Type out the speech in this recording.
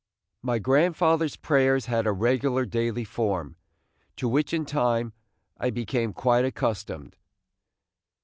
My grandfather's prayers had a regular daily form, to which in time, I became quite accustomed.